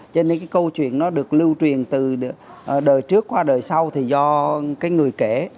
vậy nên những câu chuyện nó được lưu truyền từ đời trước qua đời sau thì do người kể